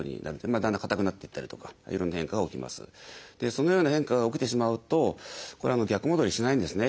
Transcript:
そのような変化が起きてしまうとこれは逆戻りしないんですね。